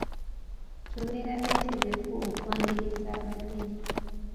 Tubeera betegefu okwaniriza abagenyi.